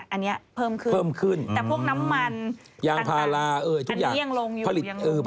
อันนี้เพิ่มขึ้นแต่พวกน้ำมันต่างอันนี้ยังลงอยู่ก็คือแบบพารา